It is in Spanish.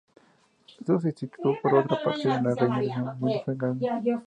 Su substituto fue otro capitán de la "Reichsmarine", Wilhelm Canaris.